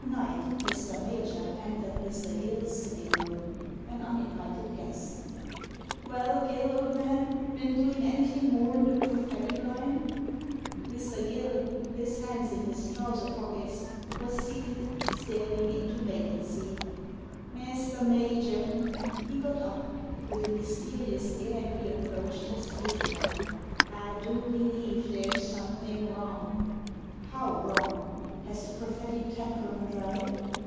That night Mr. Major entered Mr. Gill's sitting room, an uninvited guest " Well, Gill, old man, been doing anything more in the prophetic line?" Mr. Gill, his hands in his trouser pockets, was seated, staring into vacancy. "Mr. Major" — ^he got up; with a mysterious air he approached his visitor — "I do believe there's something wrong." " How wrong ? Has the prophetic tap run dry